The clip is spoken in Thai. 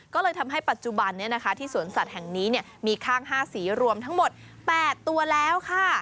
ก็เลยทำให้ปัจจุบันที่สวนสัตว์แห่งนี้มีข้าง๕สีรวมทั้งหมด๘ตัวแล้วค่ะ